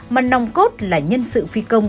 mà nồng cốt là nhân sự phi công